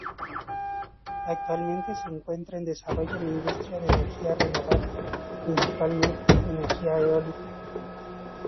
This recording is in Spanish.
Actualmente se encuentra en desarrollo la industria de energía renovable, principalmente energía eólica.